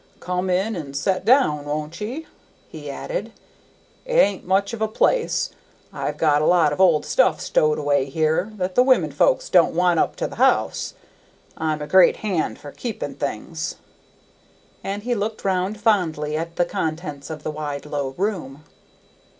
"Come in and set down, won't ye?" he added; "it ain't much of a place; I've got a lot of old stuff stowed away here that the women folks don't want up to the house. I'm a great hand for keeping things." And he looked round fondly at the contents of the wide low room.